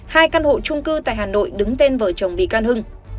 hai căn hộ trung cư tại hà nội đứng tên vợ chồng bị can hưng